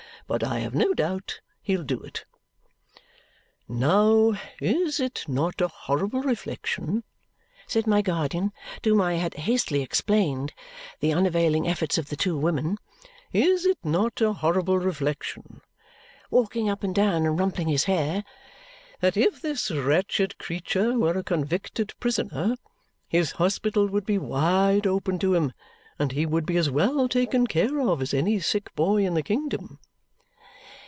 But I have no doubt he'll do it." "Now, is it not a horrible reflection," said my guardian, to whom I had hastily explained the unavailing efforts of the two women, "is it not a horrible reflection," walking up and down and rumpling his hair, "that if this wretched creature were a convicted prisoner, his hospital would be wide open to him, and he would be as well taken care of as any sick boy in the kingdom?"